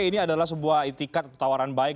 ini adalah sebuah itikat atau tawaran baik